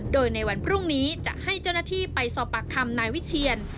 โดยในวันพรุ่งนี้จะให้เจ้าหน้าที่ไปสอบปากคำนายวิเชียน